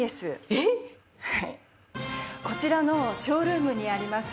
こちらのショールームにあります